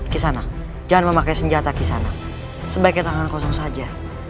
kisanak jangan memakai senjata kisanak sebaiknya tangan kosong saja